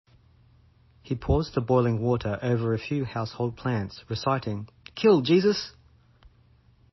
He pours the boiling water over a few household plants, reciting "Kill Jesus".